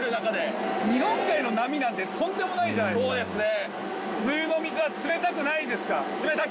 そうですね。